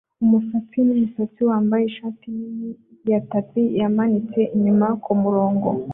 Umusatsi wumusazi wambaye ishati nini ya tapi yamanitse inyuma kumurongo